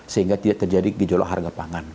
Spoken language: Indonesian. sehingga tidak terjadi gejolak harga pangan